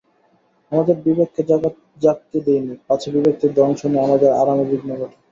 আমাদের বিবেককে জাগতে দিইনি, পাছে বিবেকের দংশনে আমাদের আরামে বিঘ্ন ঘটে।